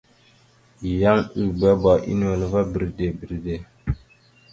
Yan ʉbebá a nʉwel ava bredey bredey.